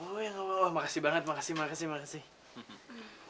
oh ya ga apa apa makasih banget makasih makasih makasih